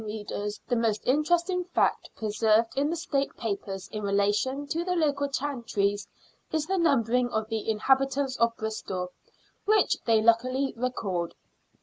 To modem readers the most interesting fact preserved in the State papers in relation to the local chantries is the numbering of the inhabitants of Bristol, which they luckily record.